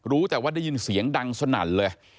รู้แต่ว่าได้ยินเสียงดังสนั่นเลย